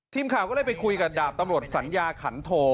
ทีมข่าวก็เลยไปคุยกับดาบตำรวจสัญญาขันโท